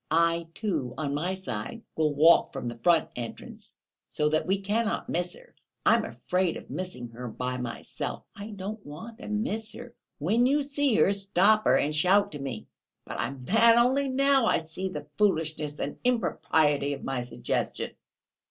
I, too, on my side, will walk from the front entrance, so that we cannot miss her; I'm afraid of missing her by myself; I don't want to miss her. When you see her, stop her and shout to me.... But I'm mad! Only now I see the foolishness and impropriety of my suggestion!..."